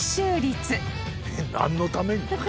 何のために？